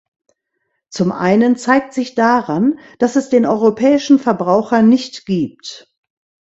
Zum einen zeigt sich daran, dass es den europäischen Verbraucher nicht gibt.